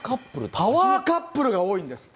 パワーカップルが多いんですって。